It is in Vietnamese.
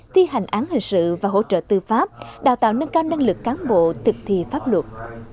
thi hành án hình sự và hỗ trợ tư pháp đào tạo nâng cao năng lực cán bộ thực thi pháp luật